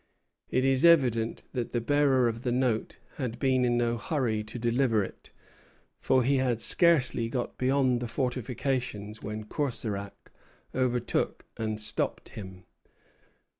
It is evident that the bearer of the note had been in no hurry to deliver it, for he had scarcely got beyond the fortifications when Courserac overtook and stopped him.